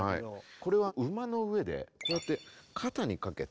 これは馬の上でこうやって肩に掛けて。